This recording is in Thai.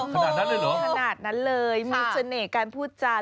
ขนาดนั้นเลยเหรอขนาดนั้นเลยมีเสน่ห์การพูดจา